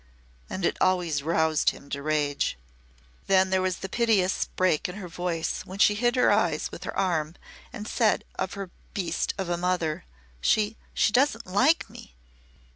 And it always roused him to rage. Then there was the piteous break in her voice when she hid her eyes with her arm and said of her beast of a mother: "She doesn't like me!"